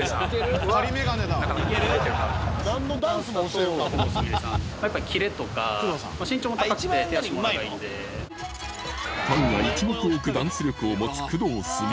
そのファンが一目置くダンス力を持つ工藤菫